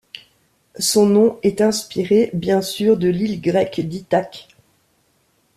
Son nom est inspiré, bien sûr, de l'île grecque d’Ithaque.